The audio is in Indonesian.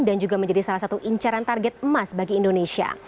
dan juga menjadi salah satu incaran target emas bagi indonesia